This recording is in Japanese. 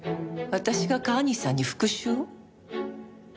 私が川西さんに復讐を？